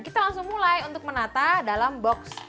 kita langsung mulai untuk menata dalam box